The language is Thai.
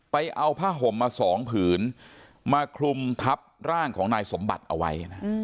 ไปเอาผ้าห่มมาสองผืนมาคลุมทับร่างของนายสมบัติเอาไว้